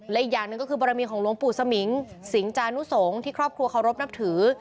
และอีกอย่างหนึ่งของลมผู้เสมงสิงส์จานุทศงที่ครอบครัวเคารบนับถือ